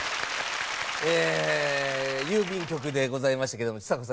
えー郵便局でございましたけどもちさ子さん